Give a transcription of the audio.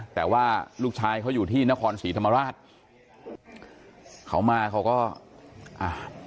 แต่ว่าลูกชายเขาอยู่ที่นครศรีธรรมราชเขามาเขาก็อ่ะ